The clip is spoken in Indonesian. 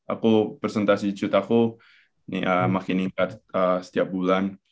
aku presentasi shoot aku makin tingkat setiap bulan